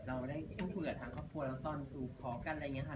เราได้ทุกทีกับทั้งครอบครัวแล้วแล้วตอนสู่ผ่าละครับ